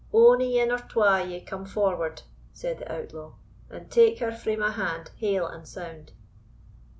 "Ony ane or twa o' ye come forward," said the outlaw, "and take her frae my hand haill and sound."